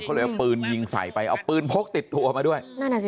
เขาเลยเอาปืนยิงใส่ไปเอาปืนพกติดตัวมาด้วยนั่นอ่ะสิ